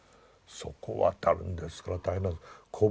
そこを渡るんですから大変なんです。